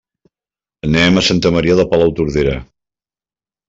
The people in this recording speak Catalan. Anem a Santa Maria de Palautordera.